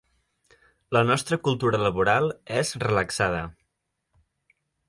La nostra cultura laboral és relaxada.